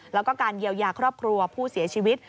แล้วก็การเยียวยาครอบครัวผู้เสียชีวิต